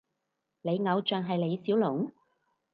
你偶像係李小龍？